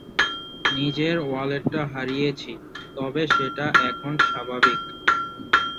নিজের ওয়ালেটটা হারিয়েছি, তবে সেটা এখন স্বাভাবিক।